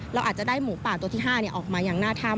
ที่จะได้หมูปากตัวที๑ออกมาอย่างหน้าถ้ำ